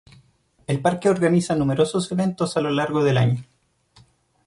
El parque organiza numerosos eventos a lo largo del año,